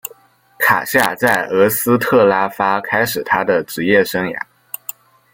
卡夏在俄斯特拉发开始他的职业生涯。